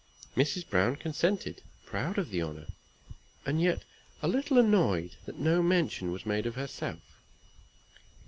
Mrs. Browne consented, proud of the honor, and yet a little annoyed that no mention was made of herself.